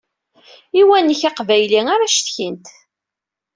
I uwanek aqbayli ara cetkint.